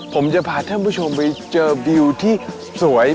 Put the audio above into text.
ผมจะพาท่านผู้ชมไปเจอวิวที่สวย